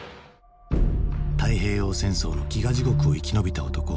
太平洋戦争の飢餓地獄を生き延びた男